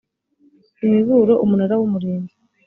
imiburo umunara w umurinzi